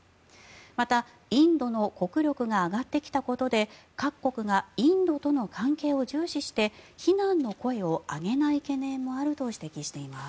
また、インドの国力が上がってきたことで各国がインドとの関係を重視して非難の声を上げない懸念もあると指摘しています。